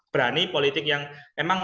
berani politik yang memang